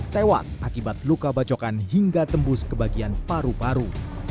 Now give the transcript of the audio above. tewas akibat luka bacokan hingga tembus ke bagian paru paru